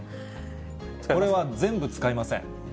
これはね、全部使いません。